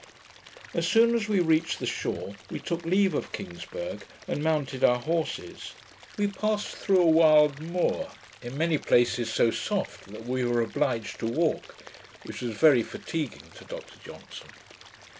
As soon as we reached the shore, we took leave of Kingsburgh, and mounted our horses. We passed through a wild moor, in many places so soft that we were obliged to walk, which was very fatiguing to Dr Johnson.